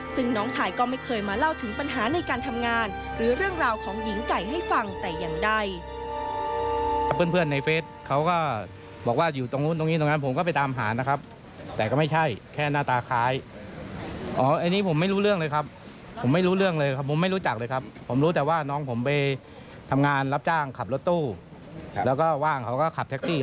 ซึ่งน้องชายก็ไม่เคยมาเล่าถึงปัญหาในการทำงานหรือเรื่องราวของหญิงไก่ให้ฟังแต่อย่างใด